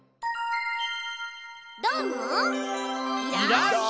どーも！